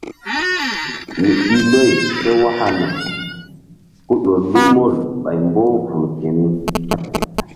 Mi i loy ké waka naŋ ku ƴo lu mol ɓay mboh vul keni.